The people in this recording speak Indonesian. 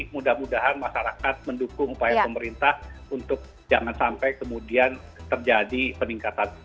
mudah mudahan masyarakat mendukung upaya pemerintah untuk jangan sampai kemudian terjadi peningkatan